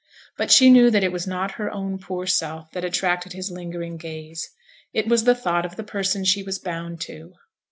But she knew that it was not her own poor self that attracted his lingering gaze. It was the thought of the person she was bound to.